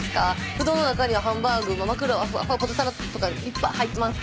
布団の中にはハンバーグ枕はポテサラとかいっぱい入ってます。